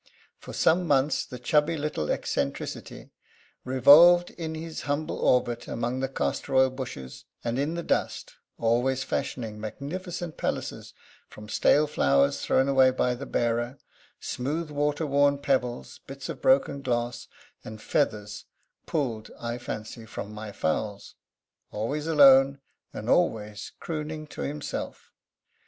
For some months the chubby little eccentricity revolved in his humble orbit among the castor oil bushes and in the dust; always fashioning magnificent palaces from stale flowers thrown away by the bearer, smooth water worn pebbles, bits of broken glass, and feathers pulled, I fancy, from my fowls always alone, and always crooning to himself.